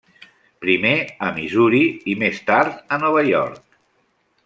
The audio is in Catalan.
Primer, a Missouri i, més tard, a Nova York.